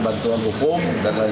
yang terakhir dibel nicely riba kali